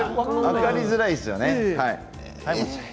分かりづらいですね。